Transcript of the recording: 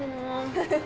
フフフ。